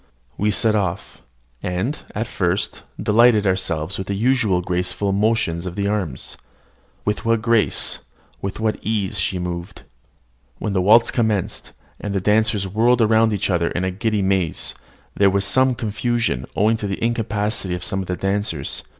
We set off, and, at first, delighted ourselves with the usual graceful motions of the arms. With what grace, with what ease, she moved! When the waltz commenced, and the dancers whirled around each other in the giddy maze, there was some confusion, owing to the incapacity of some of the dancers.